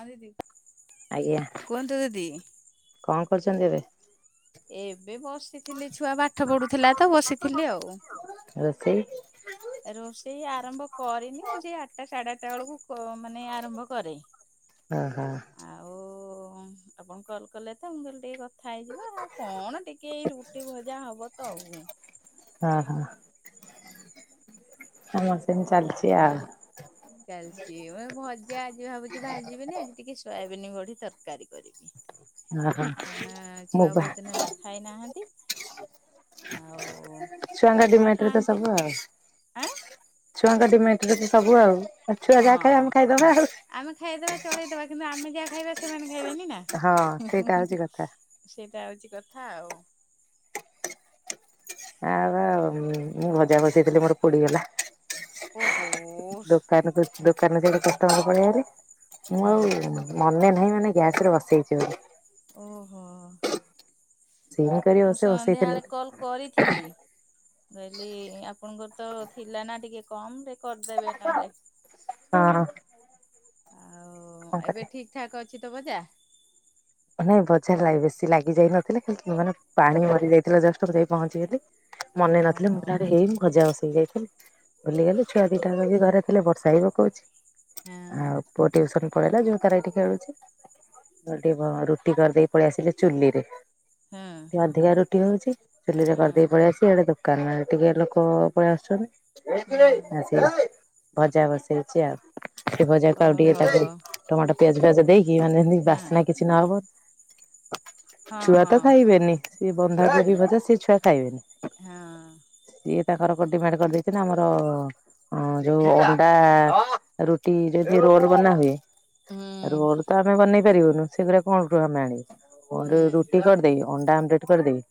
ହଁ ଦିଦି, ଆଜ୍ଞା କୁହନ୍ତୁ ଦିଦି କଣ କରୁଚନ୍ତି ଏବେ? ଏବେ ବସିଥିଲି ଛୁଆ ପାଠ ପଢୁଥିଲା ତ ବସିଥିଲି ଆଉ। ରୋଷେଇ ରୋଷେଇ ଆରମ୍ଭ କରିନି ମୁଁ ସେଇ ଆଟା ସାଢେ ଆଟା ବେଳକୁ କ ମାନେ ଆରମ୍ଭ କରେ। ହଁ ହଁ। ଆଉ ଉଁ ଆପଣ କଲ୍ କଲେ ତ ମୁଁ କହଲି ଟିକେ କ ଥାଇଯିବା କଣ ଟିକେ ଏଇ ରୁଟି ଭଜା ହବ ତ ଆଉ। ଓ ହୋ [inaudible] ଆମର ସେମି ଚାଲିଚି ଆଉ। ଚାଲିଚି, ଏ ଭଜା ଆଜି ଭାବୁଚି ଭାଜିବିିନି ଆଜି ଟିକେ ସୋୟାବିନି ବଢି ତରକାରୀ କରିବି। ହଁ ହଁ ଖ୍ୟଣ ମୁଁ ଛୁଆ ବା ବହୁତ୍ ଦିନି ହେଲା ଖାଇନାହାନ୍ତି। ଆଉ ଛୁଆଙ୍କ ବାପା ଡିମାଣ୍ଟ ରେ ତ ଖାଆନ୍ତି ସବୁ ଆଉ। ଆଁ ଛୁଆଙ୍କ ଡିମାଟ୍ ରେ ସବୁ ଆଉ। ଆଉ ଛୁଆ ହଁ ଯାହା ଖାଇବେ ଆମେ ଖାଇଦବା ଆଉ। ଆମେ ଖାଇଦବା ଚଳେଇଦବା କିନ୍ତୁ ଆମେ ଯାହା ଖାଇବା ସେମାନେ ଖାଇବେନି ନା, ହଁ ସେଇଟା ହଉଛି କଥା ସେଇଟା ହଉଚି କଥା ଆଉ। ଆଉବା ମୁଁ ଭଜା ବସିଇଥିଲି ମୋର ପୋଡିଗଲା। ଓହୋ। ଦୋକାନ କୁ ଦୋକାନରେ କଷ୍ଟମର ପଳେଇ ଆଇଲେ। ମୁଁ ହଁ ଆଉ ମନେ ନାହିଁ, ମାନେ ଗ୍ୟାସ ରେ ବସେଇଚି ବୋଲି। ଓହୋ ସିମ୍ କରିକି ମୁଁ ବସେଇ ସନ୍ଧ୍ୟା ବସେଇଥିଲି ଏଳେ କଲ କରିଥିଲି, କଇଲି ଆପଣଙ୍କର ତ ଥିଲା ନା ଟିକେ କମ୍ ରେ କରିଦେବେ ନଏଲେ। ହଁ ଆଉ କଣ କରିବା। ଏବେ ଠିକ୍ ଠାକ୍ ଅଛି ତ ବଜା। ମାନେ ଭଜା ଲାଗ୍ ବେଶୀ ଲାଗିଯାଇ ନଥିଲା କି ମାନେ ପାଣି ମରି ଯାଇଥିଲା ଜଷ୍ଟ ମୁଁ ଯାଇ ପହଞ୍ଚିଗଲି। ମନେ ନଥିଲେ, ଓହୋ ମୁଁ କହିଲି [unintelligible] ଆଡେ ହେଇ ଭଜା ବସେଇ ଯାଇଥିଲି, ଭୁଲିଗଲି ଛୁଆ ଦିଟା ଘରେ ଥିଲେ ବର୍ଷା ବି ପକୋଉଚି। ହଁ ଆଉ ପୁଅ ଟିଉସନ୍ ପଳେଇଲା, ଝିଅ ତାର ଏଇଠି ଖେଳୁଚି [unintelligible] ରୁଟି କରିଦେଇି ପଳେଇ ଆସିଲି ଚୁଲି ରେ। ହଁ। ଅଧିକା ରୁଟି ହଉଛି ଚୁଲିରେ କରିଦେଇ ହଁ। ପଳେଇ ଆସିଲି। ଆଡେ ତର ଦୋକାନରେ ଟିକେ ଲୋକ ପଳେଇ ହୁଁ ଆସୁଛନ୍ତି। ସେ ଭଜା ବସେଇଛି ଆଉ। ସେ ଭଜାକୁ ଆଉ ଟିକେ ଓହୋ ତାକୁ ଟମାଟୋ ପିଆଜ ପିଆଜ ଦେଇକି ମାନେ ଯେମିତି ହଁ ବାସିନା କିଛି ନହବ ହଁ ଛୁଆ ତ ହଁ କି ଖାଇବେନି ସେ ହଁ। ବନ୍ଧାକୋବି ଭଜା ସେ ଛୁଆ ଖାଇବେନି। ହଁ ସିଏ ତାଙ୍କର ଡିମାଣ୍ଡ କରିଦେଇଛି ନା ଆମର ହଁ ଯୋଉ ଅଣ୍ଡା ରୁଟି ଯେମିତି ରୋଲ ବନା ହୁଏ। ହୁଁ ରୋଲ ତ ଆମେ ବନେଇ ପାରିବୁନୁ। ସେଇଗୁରା କେଉଁଠୁ ଆମେ ଆଣିବୁ ହୁଁ ରୁଟି କରିଦେଇ ଅଣ୍ଡା ଆମଲେଟ କରିଦେଇ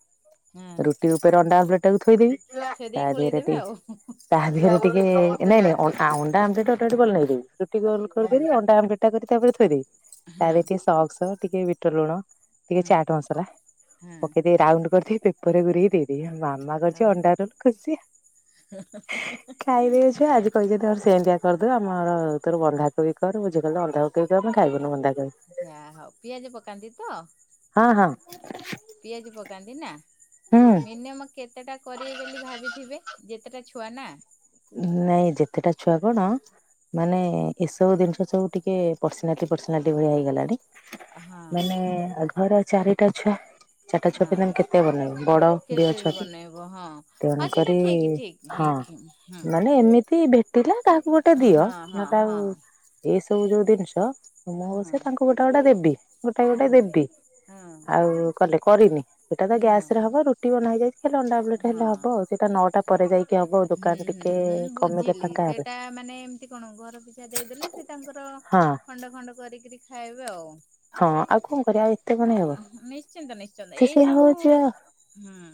ହଁ ରୁଟି ଉପରେ ଅଣ୍ଡା ଆମେଲେଟଟାକୁ ଥୋଇଦେବି ଥୋଇ ତା ଦେଇକି ଦେହରେ ପଳେଇଦେବେ ଆଉ ଟିକେ ତା ଦେହରେ ଟିକେ ନାଇଁ ନାଇଁ ଅ - ଅଣ୍ଡା ଆମଲେଟ୍ ଗୋଟେ ବନେଇ ଦେବି। ରୁଟି ଗୋଲ ହଁ। କରିଦେବି ଅଣ୍ଡା ଆମଲେଟ୍ ତା ଉପରେ ଥୋଇଦବି ତା ହଁ ଦେହରେ ଟିକେ ସକ୍ସ, ଟିକେ ବିଟ ଲୁଣ, ଟିକେ ହୁଁ ଚାଟ୍ ମସଲା ହଁ ପକେଇ ଦେଇ ରାଉଣ୍ଡ କରିଦେଇ ପେପରରେ ଗୁରେଇ ଦେଇ ଦେବି ମାମା କରିଛି ଓହୋ ଅଣ୍ଡାରୁୁ ଖୁସି। ଖାଇଦେବେ ଛୁଆ ଆଜି [inaudible] କହିଛନ୍ତି ଆମର ସେମିତିଆ କରିଦବୁ ଆମର ତୋର ବନ୍ଧା ବି କରୁ [unintelligible] ଯା ହଉ ପିଆଜ ପକାନ୍ତି ତ? ହଁ ହଁ। ପିଆଜ ପକାନ୍ତି ନା। ହୁଁ ମିନିୟମ କେତେଟା କରିବେ ବୋଲି ଭାବିଥିବେ? ଯେତେଟା ଛୁଆ ନା। ନାଇଁ ଯେତେଟା ଛୁଆ କଣ ମାନେ ଏସବୁ ଜିନିଷ ସବୁ ଟିକେ ପର୍ସନାଲିଟି ପର୍ସନାଲିଟି ଭଳିଆ ହେଇଗଲାଣି। ହଁ ମାନେ ଘର ଚାରିଟା ଛୁଆ। ଚାରିଟା ଛୁଆ ପିଲାଙ୍କୁ ହଁ କେତେ ବନେଇବ ବଡ ବି କେତେ ଅଛନ୍ତି ବନେଇବ ହଁ ହଁ ତେଣୁ ସେଇଟା କରି [inaudible] ହଁ। ନାଇଁ ଏମିତି ଭେଟିଲା କାହାକୁ ଗୋଟେ ଦିଅ ହଁ ହଁ ନ ତାଉ ହଁ ଏଇ ସବୁ ଯୋଉ ଜିନିଷ ମୁଁ ବ ସେ ତାଙ୍କୁ ଗୋଟେ ଗୋଟେ ଦେବି ଗୋଟା ହଁ ଗୋଟେ ହଁ ଦେବି ହଁ ଆଉ କଲେ କରିନି। ସେଇଟା ତ ହଁ ଗ୍ୟାସ ରେ ହବ ରୁଟି ବବା ହେଇ ଯାଇଛି ହେଲେ ଅଣ୍ଡା ବଲେଟ ହେଲେ ହଁ ହବ ସେଇଟା ନଅଟା ପରେ ଯାଇକି ହବ। ହୁଁ ଦୋକାନ ହୁଁ ଟିକେ ହୁଁ କମିଲେ ବୁଝିଲି ଫାଙ୍କା ହେଲେ ସେଟା ମାନେ ଏମତି କଣ ଘର ପିଛା ଦେଇଦେଲେ ସେ ତାଙ୍କର। ହଁ ଖଣ୍ଡ ଖଣ୍ଡ କରିକରି ଖାଇବେ ଆଉ। ହଁ ଆଉ କଣ କରିବା। ଏତେ କଣ ହେବ ନିଶ୍ଚିନ୍ତ ନିଶ୍ଚିନ୍ତ ସେ ଏଇ ସେଇଆ ସବୁ ହଉଛି ଆଉ ହୁଁ।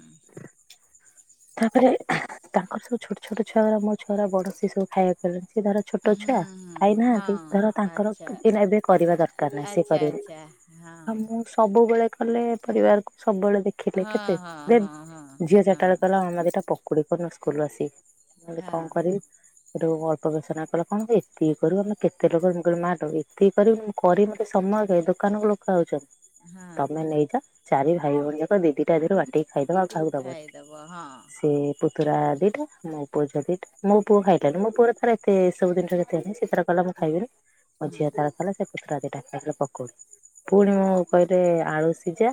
ତାପରେ ତାଙ୍କର ସବୁ ଛୋଟ ଛୋଟ ଛୁଆରା ମୋ ଛୁଆର ବଡୋ ସି ସବୁ ଖାଇବାକୁିଲଣି ସିଏ ଧର। ଛୋଟ ହୁଁ ଛୁଆ ହୁଁ ଖାଇନାହାନ୍ତି ହଁ ଧର ତାଙ୍କର ଆଚ୍ଛା ଏବେ କରିବା ଦରକାର ନାହିଁ ସିଏ କରିବା। ହଁ। ସବୁବେଳେ କଲେ ପରିବାରକୁ ସବୁବେଳେ ଦେଖିଲେ ହଁ କେତେ ହଁ ଦେ ହଁ ହଁ ଝିଅ ହଁ ଚାରିଟା। କହିଲା ମାମା ଦି ଟା ପକୁଡି କରୁନ ସ୍କୁଲରୁ ଆସିବି ନହେଲେ ହଁ କଣ କରିବି। ଅଳ୍ପ ବର୍ଷ କଲେ କଣ କ ଏତିକି କରୁ ଆମ କେତେ ଲୋକ କହ ମା ଏତିକି କରିବ। କରିବି ମତେ ସମୟ କାଇଁ ଦୋକାନ କୁ ଲୋକ ଆଉଛନ୍ତି। ହଁ ହଁ ତମେ ନେଇଯ ଚାରି ଭାଇ ଭଉଣୀ ଯାକ ଦି ଦି ଟା ଆଜିରୁ ବାଟିକି ଖାଇଦବା ଆଉ କାହାକୁ ଦବବି। ବାହଁ। ସେ ପୁତୁରା ଦିଟା ମୋ ପୁଅ ଝିଅ ଦିଟା। ମୋ ପୁଅ ଖାଇଲାନି ମୋ ପୁଅରେ ଥର ଏତେ ସବୁ ଜିଣିଷରେ ଏତ ସେଥିର। ମୁଁ ଖାଇବ ମୋ ହୁଁ ଝିଅ ତାର ଖଲା ସେ ପୁତୁର ଦିଟା ଖାଇଲେ ପକଉି ହଁ ପୁଣି ମ କହିଲେ ଆଳୁ ସିଝା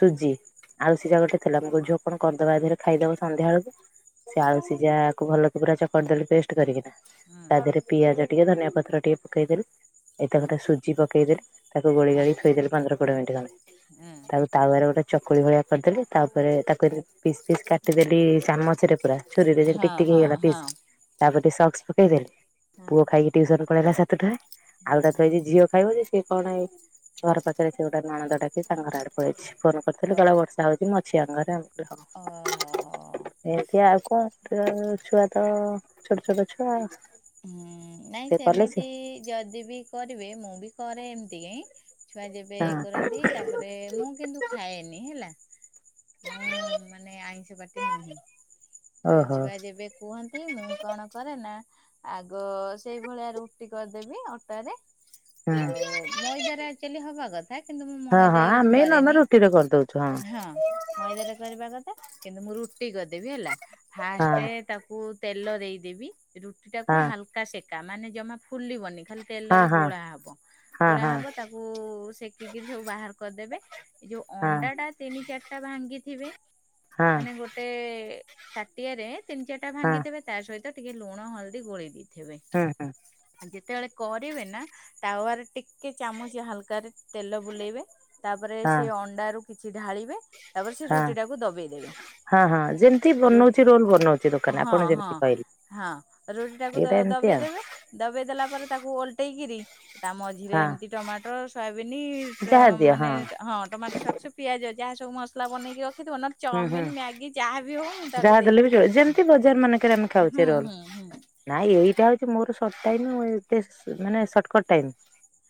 ସୁଜି ଆଳୁ ସିଝା ଗୋଟେ ଥିଲା ଆମ ଝିଅ କଣ କର? ସଦବା ଧରେ ଖାଇଦବ ସନ୍ଧ୍ୟା ବେଳକୁ ସେ ହଁ ଆଳୁ ସିଝାକୁ ଭଲକ ପୁରା ଚକଦେଲି ପେଷ୍ଟ କରିକିନା। ହଁ ତା ଦେହରେ ପିଆଜ ଟିକେ ଧନିଆ ପତ୍ର ଟିକେ ପକେଇଦେଲେ। ଏ ତାକୁ ହଁ ଟ ସୁଜି ପକେଇଦେଲେ ତାକୁ ଗୋଳି ହୁଁ ଗାଳି ଥୋଇଦେଲେ ପନ୍ଦର କୋଡିଏ ମିନିଟ ଖଣ୍ଡେ ହଁ ତାକୁ। ତାପରେ ଗୋଟେ ଚକୁଳି ଭଳିଆ କରିଦେଲି ତାପରେ ତାକୁ ପିସ୍ ପିସ୍ କାଟିଦେଲି ଚାମଚରେ ପୁରା। ଛୁରୀରେ ଟିକ ହଁ ଠିକ ହେଇଗଲା ହଁ ପି। ତାପଟେ ସକ୍ସ ପକେଇ ଦେେଲେ ହଁ ପୁଅ ହଁ ଖାଇକି ଟ୍ୟଉସନ ପଳେଇଲା ସାତଟା। ଆଳୁ ଟା ଥଏ ହଁ ଯେ ଝିଅ ଖାଇବ ଯେ ସେ। କଣ ଏଇ ଘର ପାଖରେ ସେ ଗୋଟେ ନଣନ୍ଦ ଡାକି ସାଙ୍ଗର ଆଡକୁଇଛି ଫୋନ କରିଥିଲି ବଳ ବର୍ଷା ହଉଛି ମ। ଅଛି ଆଙ୍ଗରେ ଆମଁ। ଅ ହ। ଏତି ଆଉ କଣ ଛୁଆ ତ ଛୋଟ ଛୋଟ ଛୁଆ। ହଁ ନାଇଁ ସେ କଲେ ସେ ସେମିତି ଯଦି ବି କରିବେ ମୁଁ ବି କରେ ଏମିତି କାଇ। ଛୁଆ ଯେବେ ଇଏ ହଁ କରନ୍ତି ତାପରେ ମୁଁ କିନ୍ତୁ ଖାଏନି ହେଲା। ମୁଁ ମାନେ ଆଇଁଷ ପାଟି ନୁହେଁ ଆ ଓହୋ ଛୁଆ ଯେବେ କୁହନ୍ତି ମୁଁ କଣ କରେ ନା ଆଗ? ସେଇଭଳିଆ ରୁଟି କରିଦେବି ଅଟରେ। ହଁ ଆଉ ମଇଦ ର ଆଚୁଲି ହବା କଥା କିନ୍ତୁ ମୁଁ ମଇଦା ୟୁଜ କରେନି। ଦଉଛୁ ହଁ। ମଇଦାରେ କରିବା କଥା କିନ୍ତୁ ମୁଁ ରୁଟି କରିଦେବି ହେଲା ଫାଷ୍ଟ ହଁ ତାକୁ। କୁ ତେଲ ଦେଇଦେବି ରୁଟି ଟାକୁ ହାଲକା ସେକା ମାନେ ଜମା ଫୁଲିବନି। ଖାଲି ହଁ ତେଲରେ ହଁ ଗୋଳା ହବ ହଁ ଗୋଳା ହଁ ହବ ତାକୁ ସେକିକିରି ସବୁ ବାହାର କରିଦେବେ। ଏଇ ଯୋଉ ହଁ ଅଣ୍ଡା ଟା ତିନି ଚାରିଟା ଭାଙ୍ଗିଥିବେ ହଁ ମାନେ ଗୋଟେ ଗୋଟେ ତାଟିଆରେ ତିନି ଚାର ଟା ହଁ ହଁ ଭାଙ୍ଗିଥିବେ ତା ସହିତ ଟିକେ ଲୁଣ ହଳଦୀ ଗୋଳେଇ ଦେଇଥିବେ। ହୁଁ। ଯେତେବେଳେ କରିବେ ନା ତାୱାର ଟିକେ ଚାମଚ ହାଲକ ରେ ତେଲ ବୁଲେଇବେ। ତାପରେ ହଁ ସେ ଅଣ୍ଡା ରୁ କିଛି ଢାଳିବେ ତାପରେ ସେ ହଁ ରୁଟି ଟାକୁ ଦବେଇ ଦେବେ। ହଁ ହଁ ଯେମିତି ରୁ ବନଉଛି ରୋଲ ବନଉଛି ଦୋକାନ ହଁ ଆପଣ ହଁ ଯେମିତି କହିଲେ। ହଁ ରୁଟି ଟାକୁ ଏଇଟା ଏମିତି ଦବେଇ ଆଉ ଦେବେ ଦବେଇ ଦେଲା ପରେ ତାକୁ ଓଲଟେଇକିରି। ତା ମଝିରେ ହଁ ଏମିତି ଟମାଟୋ ସୋୟବିନି ଯାହା ଦିଅ ମାନେ ହଁ ଟମାଟୋ ପିଆଜ ଯାହା ସବୁ ମସଲା ବନେଇକି ରଖିଥିବ ନା ହୁଁ ହୁଁ ଚାଉମିିନ ମ୍ୟାଗି ଯାହାବି ହଉ ମୁଁ ତାକୁ ଯାହା ଦେଲେ ବି ଦେଇକି ଚଳିବ ରଖିବି ଯେମିତି ବଜାର ମାନଙ୍କରେ ଆମେ ହୁଁ ଖାଉଛେ ରୋଲ ହୁଁ ହଁ। ନାଇଁ ଏଇଟା ହଉଛି ମୋର [unintelligible] ଏ ମାନେ ସର୍ଟକଟ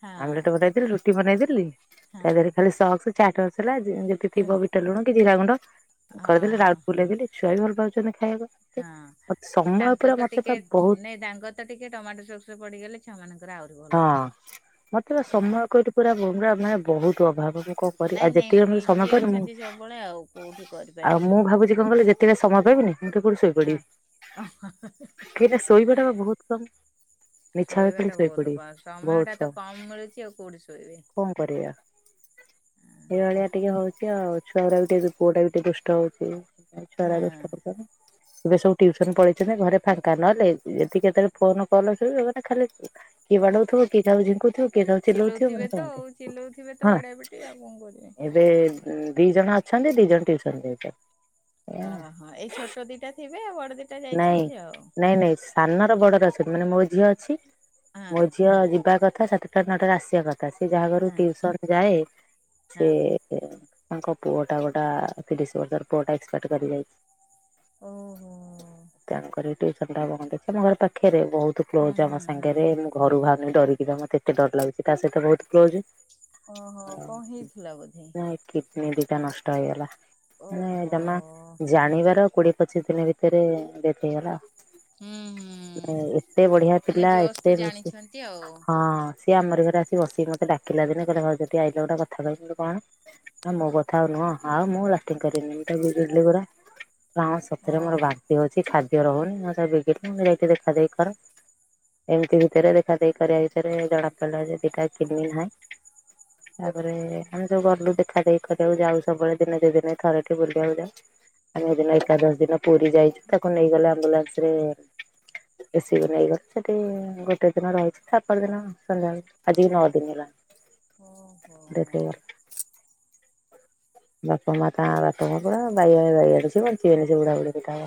ହଁ ଆମଲେଟ ବନେଇଦେଲି, ରୁଟି ବନେଇଦେଲି ହଁ ତା ଦେହରେ ଖାଲି [inaudible] [unintelligible] ବିଟ ଲୁଣ କି ଜିରା ଗୁଣ୍ଡ। ହଁ କରିଦେଲି ହଁ ରାଉଣ୍ଡ ବୁଲେଇ ଦେଲି ଛୁଆ ବି ଭଲ ପାଉଛନ୍ତି ଖାଇବାକୁ। ମତେ ହଁ ସମୟ ତାଙ୍କର ପୁରା ତ ମତେ ବା ଟିକେ ବହୁତ ନାଇଁ ତାଙ୍କର ଟିକେ ଟମସସ ପଡିଗଲେ ଛୁଆ ମାନଙ୍କର ଆହୁରି ଭଲ। ହଁ ମତେ ବା ସମୟ ହେଲା। [unintelligible] ବହୁତ ଅଭାବ। [inaudible] ନାଇଁ ନାଇଁ ବିଜି ଅଛନ୍ତି ସବୁବେଳେ ଆଉ କୋଉଠି କରିପାରିବି [unintelligible] ମୁଁ ଭାବୁଛି କଣ କହିଲ ଯେତି [unintelligible] ସମୟ ପାଇବିନି ମୁଁ ତ କଉଠି ହଁ। ଶୋଇପଡିବି [unintelligible] ମିଛ ରେ ଖାଲି ଶୋଇ ପଡିବି। ବାସ ସମୟ ଟା ତ କମ ମିଳୁଛି ଆଉ କୋଉଠି ଶୋଇବି। କଣ କରିବା? ଏଇଭଳିଆ ଟିକେ ହଉଛି ଆଉ ଛୁଆ ଗୁଡା ବି ଟିକେ ପୁଅ ଟା ବି ଟିକେ ଦୁଷ୍ଟ ହଉଛି। ଛୁଆ ଗୁଡା ହଁ ଦୁଷ୍ଟ ହେଉଛନ୍ତି। ଏବେ ସବୁ ଟିଉସନ ପଳେଇଛନ୍ତି। ଘରେ ଫାଙ୍କା ନହଲେ ଏତିି କେତେବେଳେ ଫୋନ କଲ ବ ସେମାନେ ଖାଲି - କିଏ ବାଡଉ ଥିବ କିଉ କାହାକୁ ଝିଙ୍କୁ - କିଏ ତାକୁ ଚିଲଉଥିବ। ହଁ ଚିଲଉଥିବେ ତ ଆଉ ଚିଲଉଥିବେ ତ ବାଡିଆ ଏମିତି। ପିଟି ଆଉ କଣ କରିବେ। ସେ ଦି ଜଣ ଅଛନ୍ତି ଦି ଜଣ ଟିଉସନ୍ ଯାଇଛନ୍ତି। ଅହ ଏଇ ଛୋଟ ଦିଟା ଥିବେ ଆଉ ବଡ ଦିଟା - ନାଇଁ। ନାଇଁ ନାଇଁ। ସାନର ବଡର ଅଛନ୍ତି। ମାନେ ମୋ ଝିଅ ଅଛି। ହଁ ମୋ ଝିଅ ଯିବା କଥା ସାତ ଟା ନଅଟାରେ ଆସିବା କଥା। ସେ ଯାହାଘରୁ ହଁ ଟ୍ୟୁସନ ଯାଏ ହଁ ସେ- [unintelligible] ତାଙ୍କ ପୁଅ ଟା ଗୋଟା [unintelligible] ପୁଅ ଟା [unintelligible] କରି ଯାଇଛି। ଓହୋ। ତେଣୁକରି ତିଉସନ ଟାଇମ୍ ଆମ ଘର ପାଖରେ ବହୁତ- ହଁ କ୍ଲୋଜ ଆମ ହଁ ହଁ ସାଙ୍ଗରେ ହଁ ମୁଁ ଘରୁ ଭାବିକି ଡରିକି ମୋତେ ଏତେ ଡର ଲାଗୁଛି ତା ସହିତ ବହୁତ କ୍ଲୋଜ। ଓହୋ କଣ ହୋଇଥିଲା ବୋଧେ। କିଡନି ଦିଟା ନଷ୍ଟ ହେଇଗଲା। ମାନେ ଓହୋ। ଜମା ଜାଣିବାର କୋଡ଼ି - ପଚିଶ ଦିନ ଭିତରେ ଡେଥ ହେଇଗଲା। ହୁଁ ହୁଁ ଏତେ ବଢିଆ ମାନେ ପିଲା। ଜୋସ୍ ତ ଏତେ ମିଶି ଜାଣିଛନ୍ତି ଆଉ - ସିଏ ଆମରି ଘରେ ଆସି ବସିକି ମୋତେ ଡାକିଲା ଦିନେ କହିଲା ଭାଉଜ ଠିଆ ହୋଇଛ ଗୋଟେ କଥା କହିବି। କଣ? ମୋ କଥା ଆଉ ନୁହଁ। ଆଉ ମୁଁ ରାତି ପାହିଲେ [unintelligible] ନା ସତରେ ମୋର ଓହୋ ବାନ୍ତି ହେଉଛି ଖାଦ୍ୟ ରହୁନି। [unintelligible] ଯାଇକି ଦେଖା ଦେଖି କର। ଏମିତି ଭିତରେ ଦେଖା ଦେଖି କରା ଭିତରେ ଜଣା ପଡ଼ିଲା ଯେ ଦୁଇଟି ଯାକ କିଡନୀ ହାର୍ଟ - [unintelligible] ତାପରେ ଆମେ ସବୁ ଗଲୁ ଦେଖାଦେଖି କରିବାକୁ ଯାଉ ସବୁବେଳେ ଦିନେ ଦୁଇଦିନ ରେ ଥରେ ବୁଲିବାକୁ ଯାଉ। ଆମେ ଦିନେ ଏକାଦୋଷୀ ଦିନ ପୁରୀ ଯାଇଛୁ ତାକୁ ନେଇଗଲେ ଆମ୍ବୁଲାନ୍ସରେ। ଏସ ସି ବି ନେଇଗଲେ। ସେଠି ଗୋଟିଏ ଦିନ ରହିଛି ତା ପର ଦିନ- ଚାଲିଗଲା। ଆଜିକି ନଅ ଦିନ ହେଲାଣି। ଓହ ହ। ଡେଥ୍ ହେଇଗଲା। ବାପା ମା ତାଙ୍କର [unintelligible] ବଞ୍ଚିବେନି ସେଗୁଡା [unintelligible]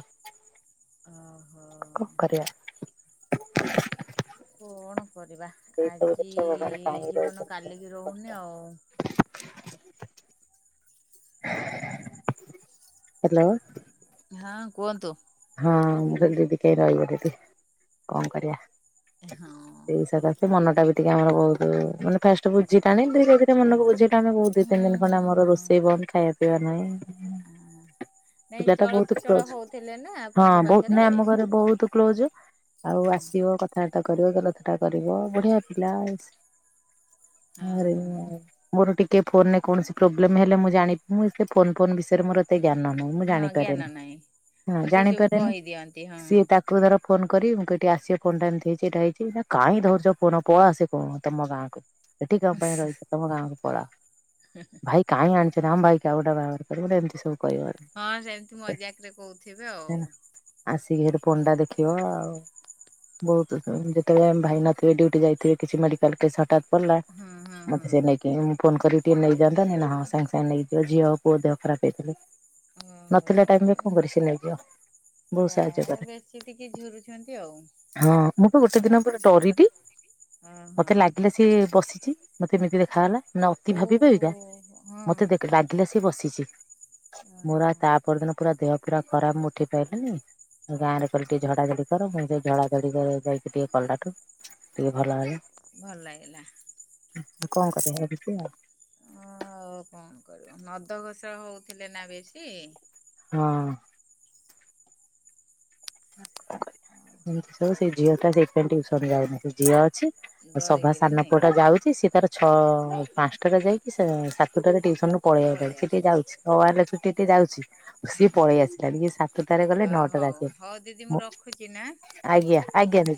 ଓହୋ। କରିବା। କଣ କରିବା ଏଇ ସବୁ ଆଜି ଜିନିଷ ଭଗବାନ ଜୀବନ କାଲିକି ରହୁନି ଆଉ। ହେଲୋ। ହଁ କୁହନ୍ତୁ। ହଁ ମୁଁ କହିଲି କିଏ ରହିବ କେତେ? କଣ କରିବା? ହଁ [unintelligible] ସେ ମନଟା ବି ଟିକେ ଆମର ବହୁତୁ ମାନେ ଫାଷ୍ଟ ବୁଝିଲାନି ଧୀରେ ଧୀରେ ମନକୁ [unintelligible] ତିନି ହୁଁ ଦିନ ହୁଁ ଖଣ୍ଡେ ଆମର ହୁଁ। ରୋଷେଇ ବନ୍ଦ ଖାଇବା ପିଇବା ନାହିଁ। [unintelligible] ପିଲାଟା ବହୁତ କ୍ଲୋଜ। ଥିଲେ ନା। ଆପଣଙ୍କ ହଁ ବହୁତ ପାଖରେ ନାଇ ଆମ ଘରେ ସେଥିପାଇଁ ବହୁତ କ୍ଲୋଜ। ଆଉ ହୁଁ। ଆସିବ କ- କଥାବାର୍ତ୍ତା କରିବ। ରଥଟା କରିବ। ବଢିଆ ପିଲା। ହଁ ଘରେ ହିଁ ହଁ ଆଉ। ମୋର ଟିକେ ଫୋନରେ କୌଣସି ପ୍ରୋବ୍ଲେମ୍ ହେଲେ ମୁଁ ଜାଣି ମୁଁ ସେ ଫୋନ ଫୋନ ବିଷୟରେ ମୋର- ଏତେ ଜ୍ଞାନ ନାହିଁ। ମୁଁ ହଁ ଜ୍ଞାନ ଜାଣିପାରେନି। ନାହିଁ ହଁ ଆଉ ସେ ସବୁ ଜାଣିପାରେନି। କହିଦିଅନ୍ତି ହଁ। ସିଏ ତାକୁ - ତାକୁ ଧର ଫୋନ କରିବି ମୁଁ କହିବି ଟିକେ ଆସିବ ଫୋନ ଟା ଏମିତି ହେଇଚି ଏଇଟା ହେଇଚି। ନା କାଇଁ ଧରୁଚ ଫୋନ ପଳା ସେ ଫୋନ ତମ ଗାଁ। ଏଠି କଣ ପାଇଁ ରହିଚ ତମ ଗାଁକୁ ପଳାଅ। ହୁଁଁ ହୁଁ। ଭାଇ କାଇଁ ଆଣିଚ ରାମ୍ ଭାଇକି ଆଉ ଗୋଟା ବାହାଘର କରିବ ଗୋଟା ଏମିତି ସବୁ କହିବ। ହଁ ସେମିତି ମଜାକରେ କହୁଥିବେ ଆଉ। ହେଲା ଆସିକି ସେଠି ଫୋନ ଟା ଦେଖିବ ଆଉ। ବହୁତୁ, ଯେତବଳେ ଆମେ ଭାଇ ନଥିବେ ଡ୍ୟୁଟି ଯାଇଥିବେ କିଛି ମେଡିକାଲ କେସ୍ ହଠାତ୍। ହୁଁ ହୁଁ ହୁଁ [unintelligible] କେ ମୁଁ ଫୋନ୍ କରିବି ଟିକେ ନେଇଯାଆନ୍ତନି। ନା ହଁ ସାଙ୍ଗେ ସାଙ୍ଗେ ନେଇଯିବ ଝିଅ ହଉ ପୁଅ ଦେହ ଖରାପ ହେଇଥିଲେ। ନଥିଲା ଟାଇମ୍ ରେ କଣ କରିବ ସିଏ ନେଇଯିବ। ବହୁତ ସାହାଯ୍ୟ ଯାଆ, କରେ ବେଶୀ ଟିକେ ଝୁରୁଚନ୍ତି ଆଉ। ହଁ, ମୁଁ ବା ଗୋଟେ ଦିନ ପୁରା ଡରିିଲି ହଁ ହଁ। ମତେ ଲାଗିଲା ସିଏ ବସିଚି। ମତେ ଏମିତି ଦେଖାଗଲା, ନା ଅତି ଭାବିି ଓହୋ ଭାବିକା ହଁ। ମତେ ଦେ ଲା। ଗିଲା ସିଏ ବସିଚି, ମୋର ଓହୋ ଆ ତା ପରଦିନ ପୁରା ଦେହ ପୁରା ଖରାପ। ଉଠି ପାଇଲାନି, ଗାଁ ରେ କହିଲେ ଟିକେ ଝଡାଝଡି କର ପୁଣି ସେ ଝଡାଝଡି ଯାଇକି ଟିକେ କଲାଠୁ। ଟିକେ ଭଲ ହେଲା। ଭଲ ଲାଗିଲା। ଆଉ କଣ କରିଆ ଏମିତି ଆଉ। ଓ ଆଉ କଣ କରିବ ନଦ ଘୋଷ ହଉଥିଲେ ନା ବେଶୀ। ହଁ। ଏମତି ସବୁ ସେ ଝିଅ ଟା ସେଇଥିପାଇଁ ଟିଉସନ ଯାଉନି ସେ ଝିଅ ଅଛି। ସଭା ଡରିକିରି ସାନ ନାଇଁ ପୁଅ ଟା ଯାଉଚି ସିଏ ତାର ଛଅ ପାଞ୍ଚଟା ଟା ରେ ଯାଇକି ସାତ। ସତୁଟା ରେ ଟିଉସନରୁ ପଳେଇ ଆଇଲାଣି, ସେ ଟିକେ ଯାଉଚି ଅ, ଆ ଛୁଟି ଟେ ଯାଉଚି। ସିଏ ହଁ ପଳେଇ ଆସିଲାଣି। ଇଏ ସାତୁଟାରେ ଗଲେ ଅ ନଅଟାରେ ହଉ ଆସେ। ହଉ ଦିଦି ମୁଁ ରଖୁଚି ନା। ଆଜ୍ଞା ଆଜ୍ଞା।